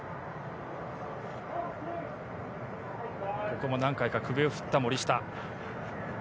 ここも何回か首を振った森下。